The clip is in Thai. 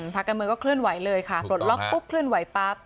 พักการเมืองก็เคลื่อนไหวเลยค่ะปลดล็อกปุ๊บเคลื่อนไหวปั๊บ